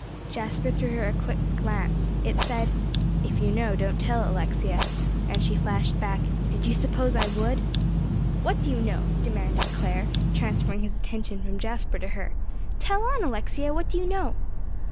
Jasper threw her a quick glance. It said, "If you know, don't tell, Alexia." And she flashed back, "Did you suppose I would?" "What do you know?" demanded Clare, transferring his attention from Jasper to her. "Tell on, Alexia; what do you know?"